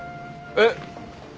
えっ。